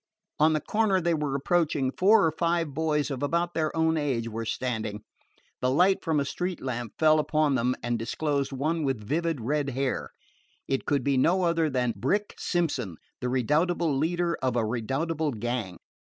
On the corner they were approaching, four or five boys of about their own age were standing. The light from a street lamp fell upon them and disclosed one with vivid red hair. It could be no other than "Brick" Simpson, the redoubtable leader of a redoubtable gang.